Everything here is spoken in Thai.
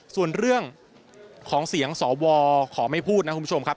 ส่วนเรื่องของเสียงสวขอไม่พูดนะคุณผู้ชมครับ